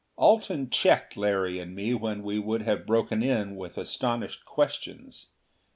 Alten checked Larry and me when we would have broken in with astonished questions.